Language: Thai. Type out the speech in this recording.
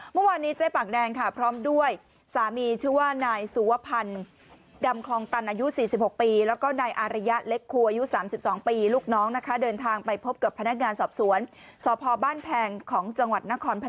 เมื่อวันนี้เจ๊ปากแดงค่ะพร้อมด้วยสามีชื่อว่านายสุวพันธ์